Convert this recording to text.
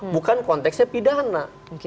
bukan konteksnya pidana